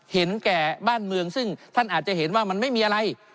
เห็นแก่บ้านเมืองซึ่งท่านอาจจะเห็นว่ามันไม่มีอะไร